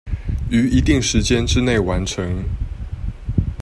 於一定時間之内完成